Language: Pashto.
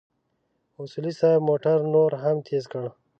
اصولي صیب موټر نور هم تېز کړ.